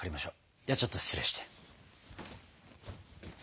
ではちょっと失礼して。